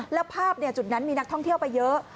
แล้วภาพจุดนั้นมีนักท่องเที่ยวไปเยอะ